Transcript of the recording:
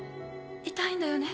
痛いんだよね？